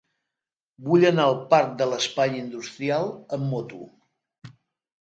Vull anar al parc de l'Espanya Industrial amb moto.